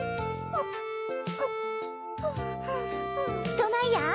どないや？